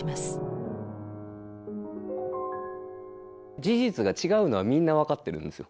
事実が違うのはみんな分かってるんですよ。